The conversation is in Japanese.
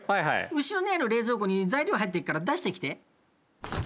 後ろにある冷蔵庫に材料入ってっから出してきて。